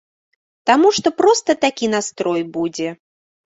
Таму што проста такі настрой будзе.